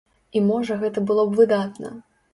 І, можа, гэта было б выдатна.